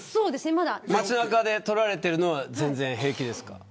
街中で撮られているのは平気ですか。